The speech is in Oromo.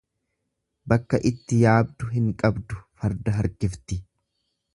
Bakka itti yaabdu hin qabdu farda harkifti.